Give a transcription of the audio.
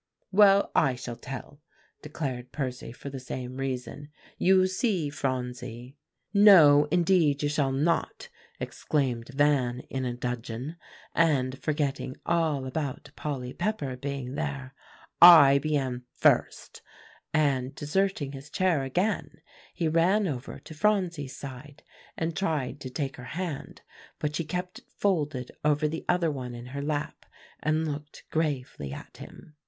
"Well, I shall tell," declared Percy for the same reason. "You see, Phronsie" "No, indeed you shall not," exclaimed Van in a dudgeon; and forgetting all about Polly Pepper being there, "I began first;" and deserting his chair again, he ran over to Phronsie's side, and tried to take her hand; but she kept it folded over the other one in her lap, and looked gravely at him.